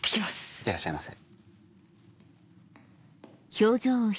いってらっしゃいませ。